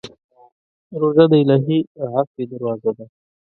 روژه د الهي عفوې دروازه ده.